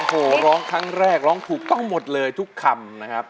โอ้โหร้องครั้งแรกร้องถูกต้องหมดเลยทุกคำนะครับ